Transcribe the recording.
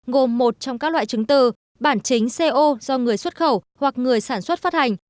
gồm một trong các loại chứng từ bản chính co do người xuất khẩu hoặc người sản xuất phát hành